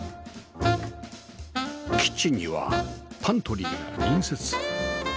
キッチンにはパントリーが隣接